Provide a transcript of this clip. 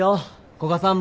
古賀さんも。